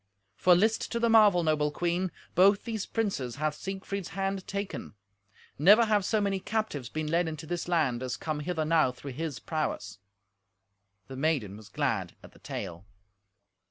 For list to the marvel, noble queen: both these princes hath Siegfried's hand taken. Never have so many captives been led into this land, as come hither now through his prowess." The maiden was glad at the tale.